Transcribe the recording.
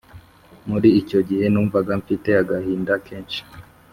muri icyo gihe numvaga mfite agahinda kenshi